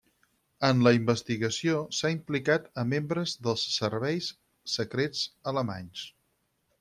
En la investigació s'ha implicat a membres dels serveis secrets alemanys.